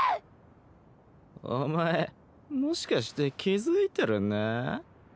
お前もしかして気付いてるな？